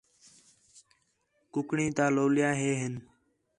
کُکڑیں تا لولیاں ہے ہِن